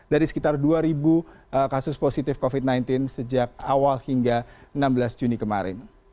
dari sekitar dua kasus positif covid sembilan belas sejak awal hingga enam belas juni kemarin